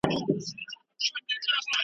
لکه سترګي چي یې ډکي سي له ژرګو .